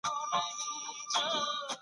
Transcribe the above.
حق یوازي په صبر او استقامت ګټل کېږي.